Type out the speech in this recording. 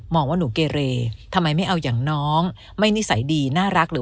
ว่าหนูเกเรทำไมไม่เอาอย่างน้องไม่นิสัยดีน่ารักหรือ